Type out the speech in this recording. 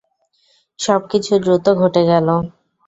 সব কিছু দ্রুত ঘটে গেল!